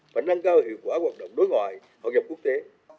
và nâng cao hiệu quả hoạt động đối ngoại hợp dụng quốc tế